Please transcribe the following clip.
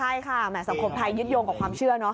ใช่ค่ะสังคมไทยยึดยงกับความเชื่อ